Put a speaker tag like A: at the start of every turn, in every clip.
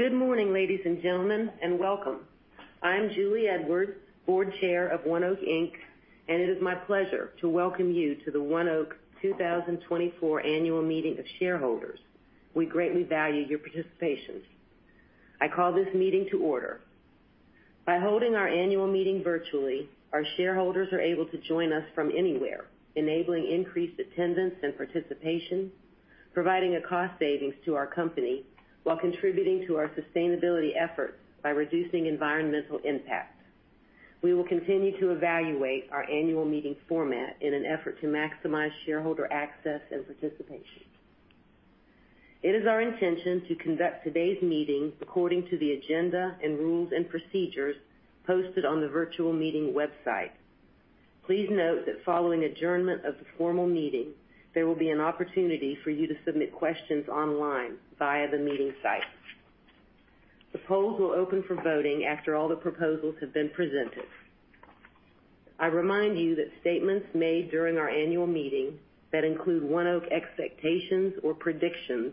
A: Good morning, ladies and gentlemen, and welcome. I'm Julie Edwards, Board Chair of ONEOK, Inc., and it is my pleasure to welcome you to the ONEOK 2024 Annual Meeting of Shareholders. We greatly value your participation. I call this meeting to order. By holding our annual meeting virtually, our shareholders are able to join us from anywhere, enabling increased attendance and participation, providing a cost savings to our company, while contributing to our sustainability efforts by reducing environmental impact. We will continue to evaluate our annual meeting format in an effort to maximize shareholder access and participation. It is our intention to conduct today's meeting according to the agenda and rules and procedures posted on the virtual meeting website. Please note that following adjournment of the formal meeting, there will be an opportunity for you to submit questions online via the meeting site. The polls will open for voting after all the proposals have been presented. I remind you that statements made during our annual meeting that include ONEOK expectations or predictions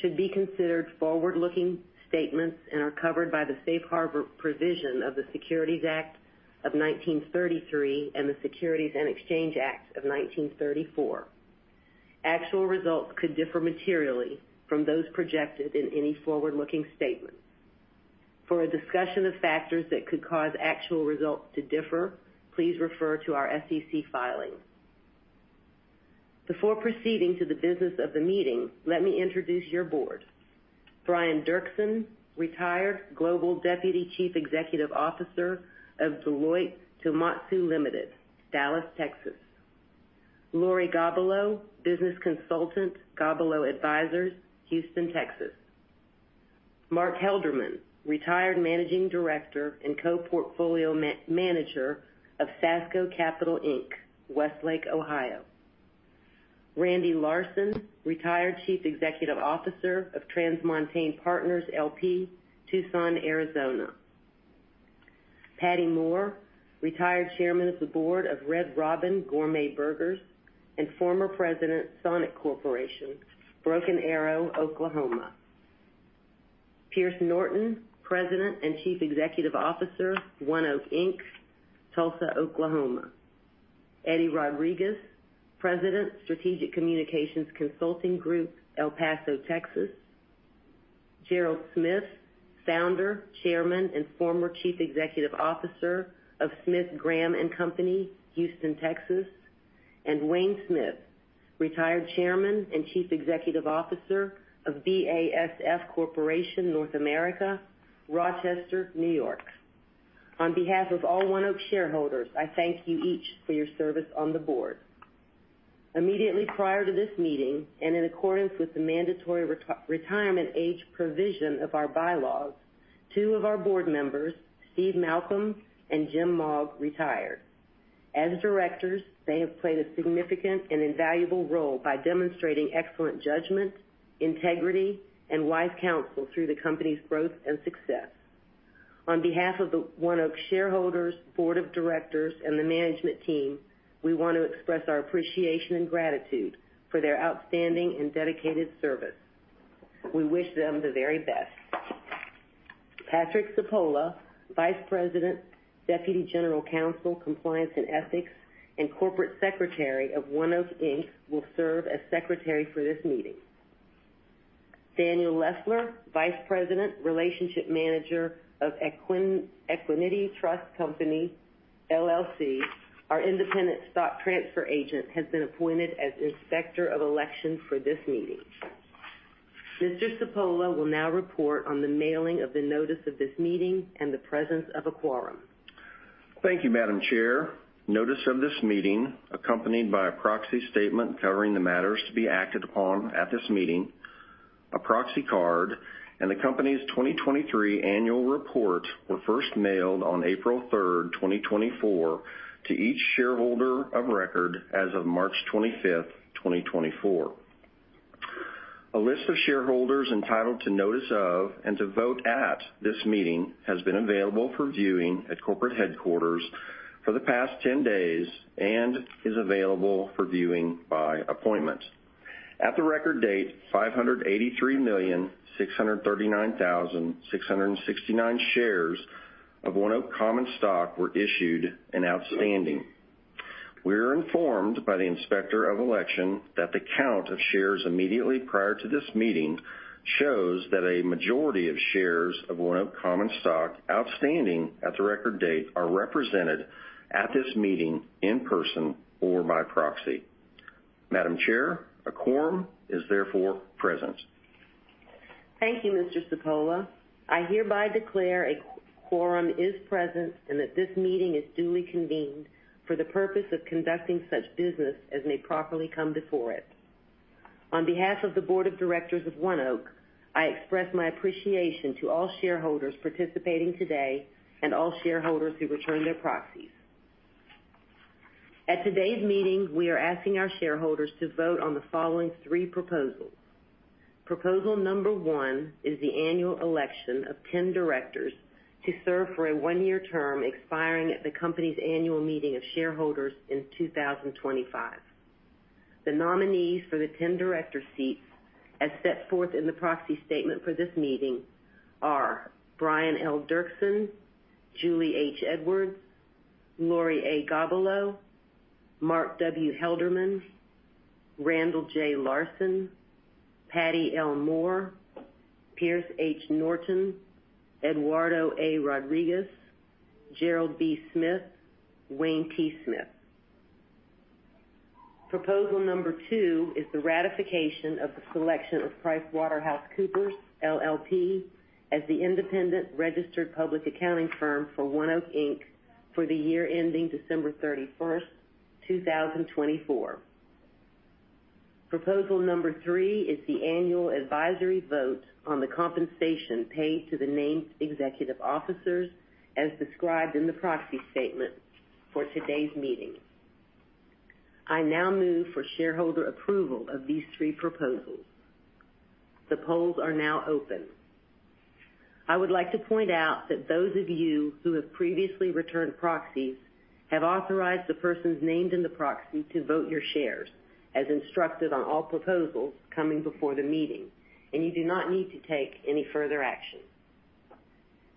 A: should be considered forward-looking statements and are covered by the safe harbor provision of the Securities Act of 1933 and the Securities Exchange Act of 1934. Actual results could differ materially from those projected in any forward-looking statement. For a discussion of factors that could cause actual results to differ, please refer to our SEC filings. Before proceeding to the business of the meeting, let me introduce your board. Brian Derksen, Retired Global Deputy Chief Executive Officer of Deloitte Touche Tohmatsu Limited, Dallas, Texas. Lori Gobillot, Business Consultant, Gobillot Advisors, Houston, Texas. Mark Hitz, Retired Managing Director and Co-Portfolio Manager of Sasco Capital, Inc., Westlake, Ohio. Randall Larson, Retired Chief Executive Officer of TransMontaigne Partners L.P., Tucson, Arizona. Pattye Moore, Retired Chairman of the Board of Red Robin Gourmet Burgers and former President, Sonic Corporation, Broken Arrow, Oklahoma. Pierce Norton, President and Chief Executive Officer, ONEOK Inc., Tulsa, Oklahoma. Eduardo Rodriguez, President, Strategic Communications Consulting Group, El Paso, Texas. Gerald Smith, Founder, Chairman, and former Chief Executive Officer of Smith, Graham & Company, Houston, Texas. And Wayne Smith, Retired Chairman and Chief Executive Officer of BASF Corporation, North America, Rochester, New York. On behalf of all ONEOK shareholders, I thank you each for your service on the board. Immediately prior to this meeting, and in accordance with the mandatory retirement age provision of our bylaws, two of our board members, Steven Malcolm and James Mogg, retired. As directors, they have played a significant and invaluable role by demonstrating excellent judgment, integrity, and wise counsel through the company's growth and success. On behalf of the ONEOK shareholders, board of directors, and the management team, we want to express our appreciation and gratitude for their outstanding and dedicated service. We wish them the very best. Patrick Cipolla, Vice President, Deputy General Counsel, Compliance and Ethics, and Corporate Secretary of ONEOK, Inc., will serve as Secretary for this meeting. Daniel Leffler, Vice President, Relationship Manager of Equiniti Trust Company, LLC, our independent stock transfer agent, has been appointed as Inspector of Election for this meeting. Mr. Cipolla will now report on the mailing of the notice of this meeting and the presence of a quorum.
B: Thank you, Madam Chair. Notice of this meeting, accompanied by a proxy statement covering the matters to be acted upon at this meeting, a proxy card, and the company's 2023 annual report, were first mailed on April 3, 2024, to each shareholder of record as of March 25, 2024. A list of shareholders entitled to notice of and to vote at this meeting has been available for viewing at corporate headquarters for the past 10 days and is available for viewing by appointment. At the record date, 583,639,669 shares of ONEOK common stock were issued and outstanding. We are informed by the Inspector of Election that the count of shares immediately prior to this meeting shows that a majority of shares of ONEOK common stock outstanding at the record date, are represented at this meeting in person or by proxy. Madam Chair, a quorum is therefore present.
A: Thank you, Mr. Cipolla. I hereby declare a quorum is present and that this meeting is duly convened for the purpose of conducting such business as may properly come before it. On behalf of the Board of Directors of ONEOK, I express my appreciation to all shareholders participating today and all shareholders who returned their proxies. At today's meeting, we are asking our shareholders to vote on the following three proposals. Proposal number 1 is the annual election of 10 directors to serve for a 1-year term, expiring at the company's annual meeting of shareholders in 2025....The nominees for the 10 director seats, as set forth in the proxy statement for this meeting, are Brian L. Derksen, Julie H. Edwards, Lori A. Gobillot, Mark W. Hitz, Randall J. Larson, Pattye L. Moore, Pierce H. Norton, Eduardo A. Rodriguez, Gerald B. Smith, Wayne T. Smith. Proposal number 2 is the ratification of the selection of PricewaterhouseCoopers, LLP, as the independent registered public accounting firm for ONEOK, Inc. for the year ending December 31, 2024. Proposal number 3 is the annual advisory vote on the compensation paid to the named executive officers, as described in the proxy statement for today's meeting. I now move for shareholder approval of these three proposals. The polls are now open. I would like to point out that those of you who have previously returned proxies have authorized the persons named in the proxy to vote your shares, as instructed on all proposals coming before the meeting, and you do not need to take any further action.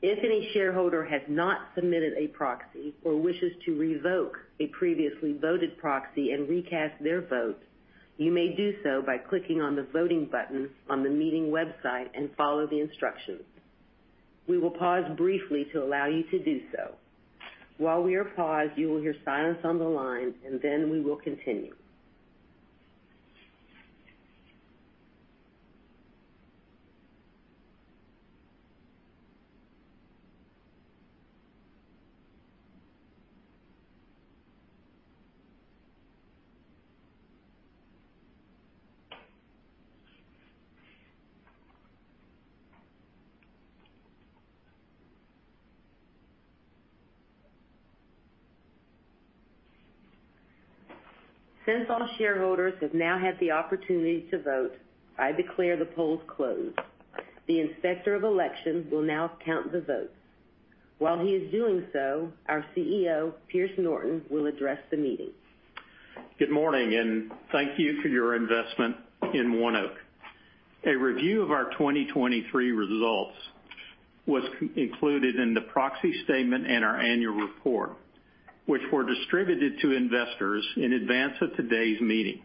A: If any shareholder has not submitted a proxy or wishes to revoke a previously voted proxy and recast their vote, you may do so by clicking on the voting button on the meeting website and follow the instructions. We will pause briefly to allow you to do so. While we are paused, you will hear silence on the line, and then we will continue. Since all shareholders have now had the opportunity to vote, I declare the polls closed. The inspector of elections will now count the votes. While he is doing so, our CEO, Pierce Norton, will address the meeting.
C: Good morning, and thank you for your investment in ONEOK. A review of our 2023 results was included in the proxy statement and our annual report, which were distributed to investors in advance of today's meeting.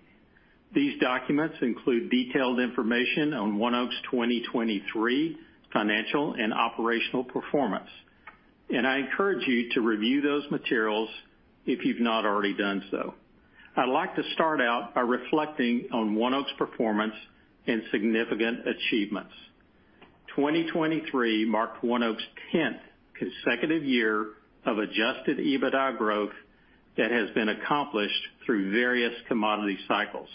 C: These documents include detailed information on ONEOK's 2023 financial and operational performance, and I encourage you to review those materials if you've not already done so. I'd like to start out by reflecting on ONEOK's performance and significant achievements. 2023 marked ONEOK's 10th consecutive year of Adjusted EBITDA growth that has been accomplished through various commodity cycles.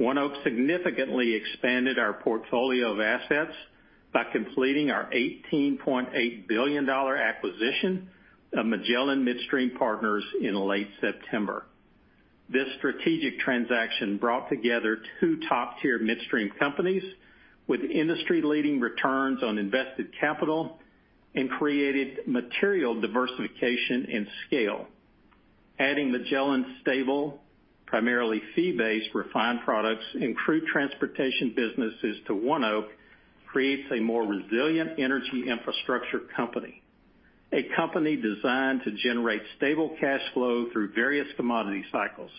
C: ONEOK significantly expanded our portfolio of assets by completing our $18.8 billion acquisition of Magellan Midstream Partners in late September. This strategic transaction brought together two top-tier midstream companies with industry-leading returns on invested capital and created material diversification and scale. Adding Magellan's stable, primarily fee-based, refined products and crude transportation businesses to ONEOK creates a more resilient energy infrastructure company, a company designed to generate stable cash flow through various commodity cycles.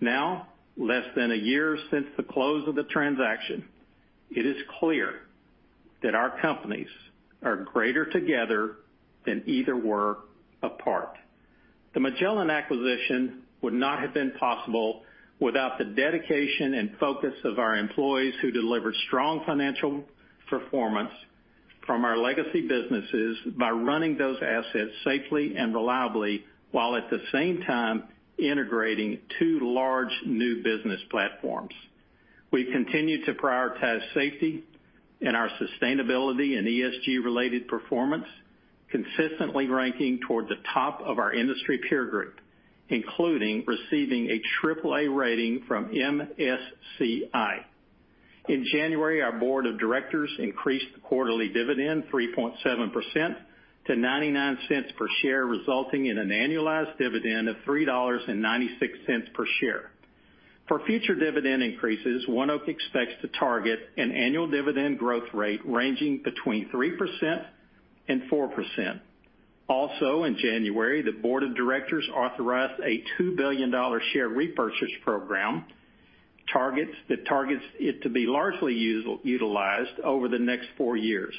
C: Now, less than a year since the close of the transaction, it is clear that our companies are greater together than either were apart. The Magellan acquisition would not have been possible without the dedication and focus of our employees, who delivered strong financial performance from our legacy businesses by running those assets safely and reliably, while at the same time integrating two large new business platforms. We've continued to prioritize safety and our sustainability and ESG-related performance, consistently ranking toward the top of our industry peer group, including receiving a AAA rating from MSCI. In January, our board of directors increased the quarterly dividend 3.7% to $0.99 per share, resulting in an annualized dividend of $3.96 per share. For future dividend increases, ONEOK expects to target an annual dividend growth rate ranging between 3% and 4%. Also, in January, the board of directors authorized a $2 billion share repurchase program that targets it to be largely utilized over the next four years.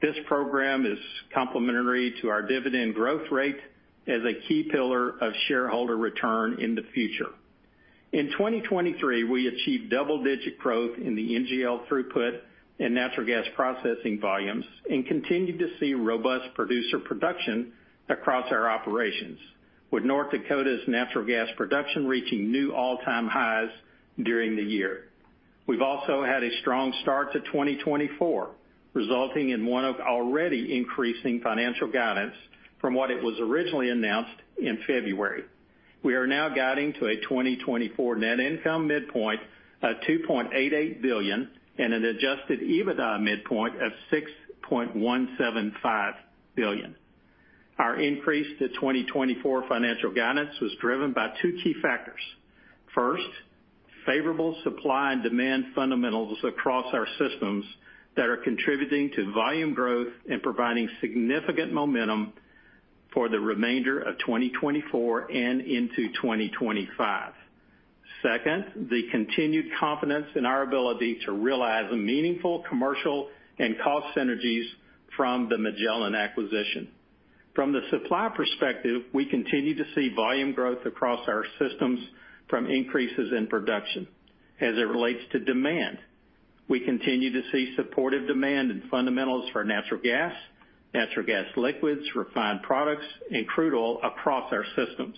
C: This program is complementary to our dividend growth rate as a key pillar of shareholder return in the future. In 2023, we achieved double-digit growth in the NGL throughput and natural gas processing volumes and continued to see robust producer production across our operations, with North Dakota's natural gas production reaching new all-time highs during the year. We've also had a strong start to 2024, resulting in ONEOK already increasing financial guidance from what it was originally announced in February. We are now guiding to a 2024 net income midpoint of $2.88 billion and an Adjusted EBITDA midpoint of $6.175 billion. Our increase to 2024 financial guidance was driven by two key factors. First, favorable supply and demand fundamentals across our systems that are contributing to volume growth and providing significant momentum for the remainder of 2024 and into 2025. Second, the continued confidence in our ability to realize a meaningful commercial and cost synergies from the Magellan acquisition. From the supply perspective, we continue to see volume growth across our systems from increases in production. As it relates to demand, we continue to see supportive demand and fundamentals for natural gas, natural gas liquids, refined products, and crude oil across our systems.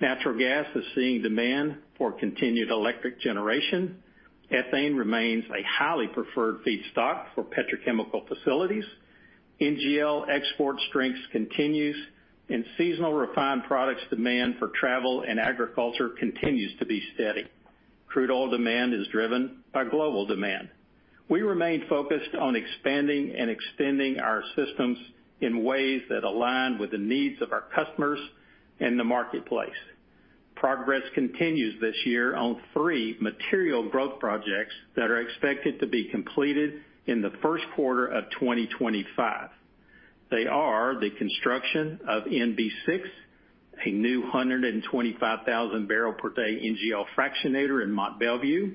C: Natural gas is seeing demand for continued electric generation. Ethane remains a highly preferred feedstock for petrochemical facilities. NGL export strength continues, and seasonal refined products demand for travel and agriculture continues to be steady. Crude oil demand is driven by global demand. We remain focused on expanding and extending our systems in ways that align with the needs of our customers and the marketplace. Progress continues this year on three material growth projects that are expected to be completed in the first quarter of 2025. They are the construction of MB-6, a new 125,000 barrel per day NGL fractionator in Mont Belvieu.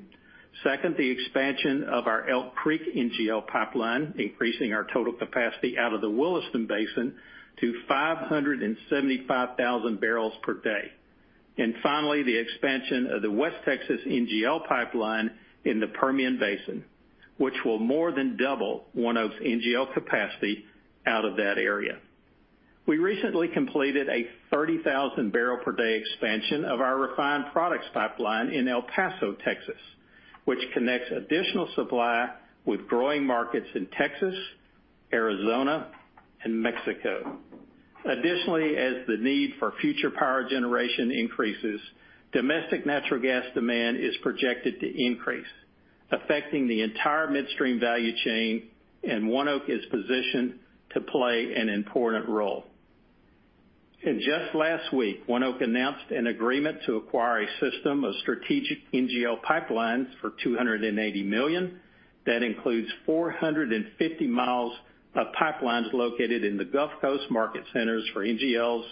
C: Second, the expansion of our Elk Creek NGL Pipeline, increasing our total capacity out of the Williston Basin to 575,000 barrels per day. And finally, the expansion of the West Texas NGL Pipeline in the Permian Basin, which will more than double our NGL capacity out of that area. We recently completed a 30,000 barrel per day expansion of our refined products pipeline in El Paso, Texas, which connects additional supply with growing markets in Texas, Arizona, and Mexico. Additionally, as the need for future power generation increases, domestic natural gas demand is projected to increase, affecting the entire midstream value chain, and ONEOK is positioned to play an important role. And just last week, ONEOK announced an agreement to acquire a system of strategic NGL pipelines for $280 million. That includes 450 miles of pipelines located in the Gulf Coast market centers for NGLs,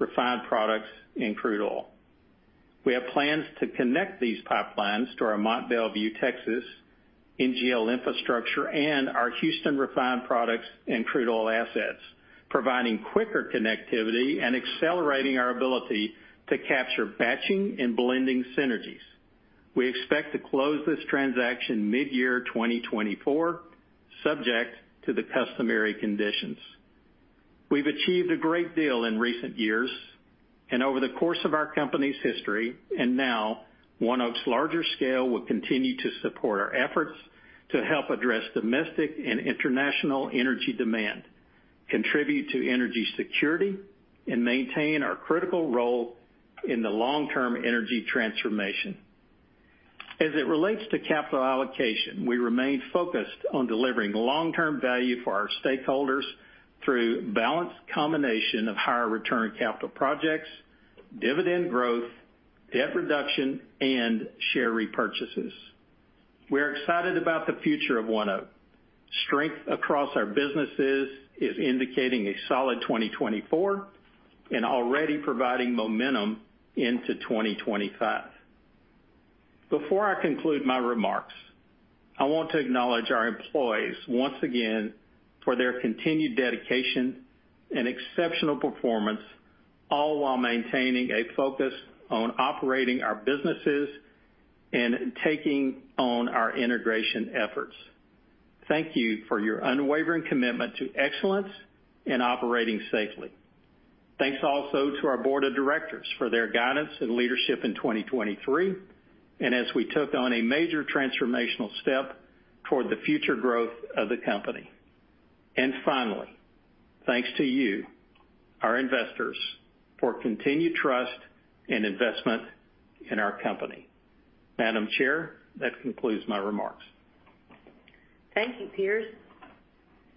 C: refined products, and crude oil. We have plans to connect these pipelines to our Mont Belvieu, Texas, NGL infrastructure and our Houston refined products and crude oil assets, providing quicker connectivity and accelerating our ability to capture batching and blending synergies. We expect to close this transaction midyear 2024, subject to the customary conditions. We've achieved a great deal in recent years and over the course of our company's history, and now ONEOK's larger scale will continue to support our efforts to help address domestic and international energy demand, contribute to energy security, and maintain our critical role in the long-term energy transformation. As it relates to capital allocation, we remain focused on delivering long-term value for our stakeholders through balanced combination of higher return capital projects, dividend growth, debt reduction, and share repurchases. We are excited about the future of ONEOK. Strength across our businesses is indicating a solid 2024 and already providing momentum into 2025. Before I conclude my remarks, I want to acknowledge our employees once again for their continued dedication and exceptional performance, all while maintaining a focus on operating our businesses and taking on our integration efforts. Thank you for your unwavering commitment to excellence and operating safely. Thanks also to our board of directors for their guidance and leadership in 2023, and as we took on a major transformational step toward the future growth of the company. Finally, thanks to you, our investors, for continued trust and investment in our company. Madam Chair, that concludes my remarks.
A: Thank you, Pierce.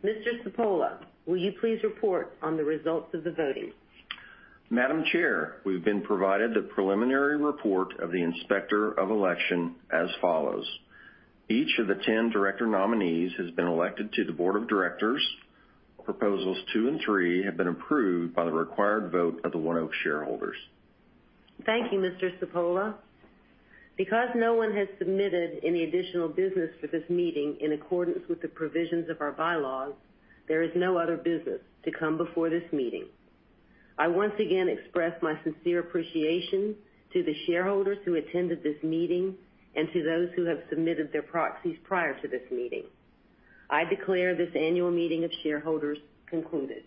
A: Mr. Cipolla, will you please report on the results of the voting?
B: Madam Chair, we've been provided the preliminary report of the inspector of election as follows: Each of the 10 director nominees has been elected to the board of directors. Proposals two and three have been approved by the required vote of the ONEOK shareholders.
A: Thank you, Mr. Cipolla. Because no one has submitted any additional business for this meeting, in accordance with the provisions of our bylaws, there is no other business to come before this meeting. I once again express my sincere appreciation to the shareholders who attended this meeting and to those who have submitted their proxies prior to this meeting. I declare this annual meeting of shareholders concluded.